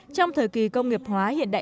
trong thời kỳ công nghiệp hóa hiện nay